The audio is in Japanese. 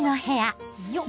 よっ！